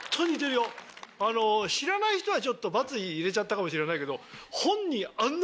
知らない人は「×」入れちゃったかもしれないけど。